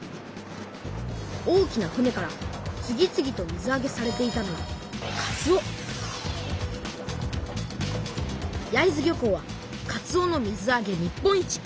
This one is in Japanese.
大きな船から次々と水あげされていたのは焼津漁港はかつおの水あげ日本一。